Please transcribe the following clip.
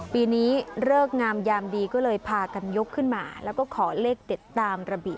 ปีนี้เลิกงามยามดีก็เลยพากันยกขึ้นมาแล้วก็ขอเลขเด็ดตามระบิ